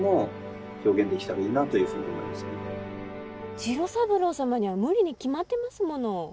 次郎三郎様には無理に決まってますもの。